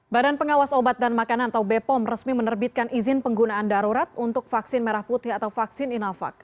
badan pengawas obat dan makanan atau bepom resmi menerbitkan izin penggunaan darurat untuk vaksin merah putih atau vaksin inavac